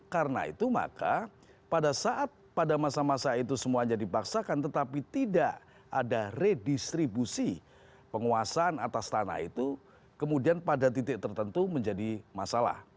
karena itu maka pada saat pada masa masa itu semuanya dipaksakan tetapi tidak ada redistribusi penguasaan atas tanah itu kemudian pada titik tertentu menjadi masalah